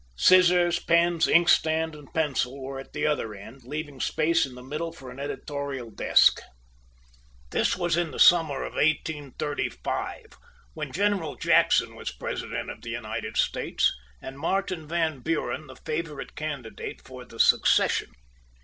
Scissors, pens, inkstand, and pencil were at the other end, leaving space in the middle for an editorial desk. This was in the summer of 1835, when General Jackson was President of the United States, and Martin Van Buren the favorite candidate for the succession.